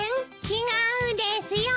違うですよ。